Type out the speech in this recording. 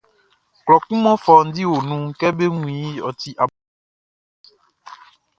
Klɔ kun mɔ fɔundi o nunʼn, kɛ be wun iʼn, ɔ ti abonuan like.